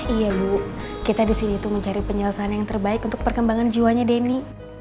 iya bu kita disini mencari penyelesaian yang terbaik untuk perkembangan jiwanya deni